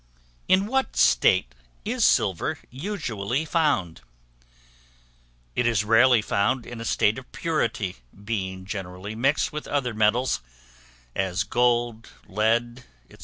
In what state is Silver usually found? It is rarely found in a state of purity, being generally mixed with other metals, as gold, lead, &c.